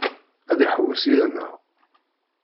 Ad iḥewwes yid-neɣ?